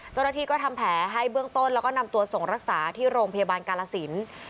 เจ้าหน้าที่ก็ทำแผลให้เบื้องต้นแล้วก็นำตัวส่งรักษาที่โรงพยาบาลกาลสิน